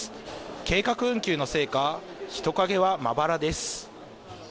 計画運休のせいか、人影はまばらです。